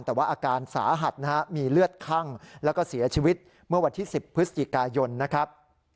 แต่ว่าอาการสาหัสนะฮะมีเลือดคั่งแล้วก็เสียชีวิตเมื่อวันที่๑๐พฤศจิกายนนะครับ